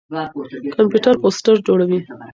کمپيوټر پوسټر جوړوي.